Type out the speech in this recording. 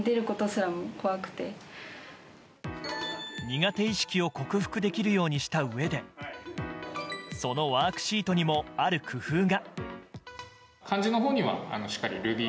苦手意識を克服できるようにしたうえでそのワークシートにもある工夫が。